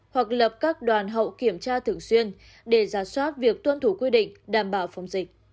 hoặc lập các đoàn hậu kiểm tra thường xuyên để giả soát việc tuân thủ quy định đảm bảo phòng dịch